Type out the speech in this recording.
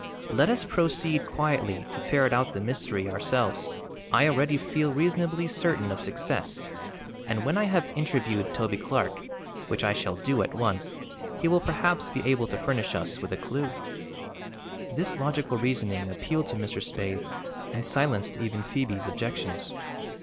Let us proceed quietly to ferret out the mystery ourselves. I already feel reasonably certain of success and, when I have interviewed Toby Clark, which I shall do at once, he will perhaps be able to furnish us with a clew." This logical reasoning appealed to Mr. Spaythe and silenced even Phoebe's objections.